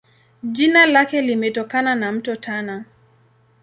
Jina lake limetokana na Mto Tana.